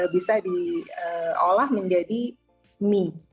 bisa diolah menjadi mie